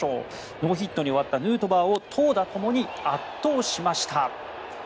ノーヒットに終わったヌートバーを投打ともに圧倒しました。